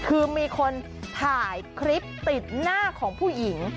คือมีคนถ่ายคลิปติดหน้าของผู้หญิง